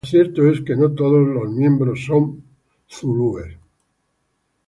Lo cierto es que no todos sus miembros son cristianos.